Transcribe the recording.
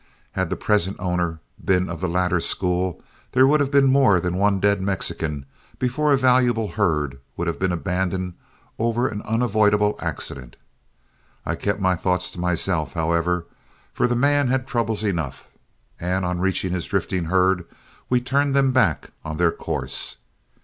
Had the present owner been of the latter school, there would have been more than one dead Mexican before a valuable herd would have been abandoned over an unavoidable accident. I kept my thoughts to myself, however, for the man had troubles enough, and on reaching his drifting herd, we turned them back on their course.